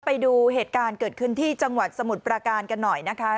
ไปดูเหตุการณ์เกิดขึ้นที่จังหวัดสมุทรประการกันหน่อยนะคะ